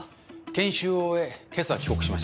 研修を終え今朝帰国しました。